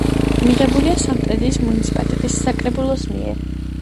მიღებულია სამტრედიის მუნიციპალიტეტის საკრებულოს მიერ.